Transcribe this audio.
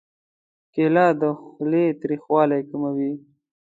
کېله د خولې تریخوالی کموي.